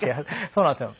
そうなんですよ。